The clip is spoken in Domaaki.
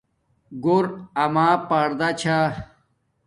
گور اما پردا چھا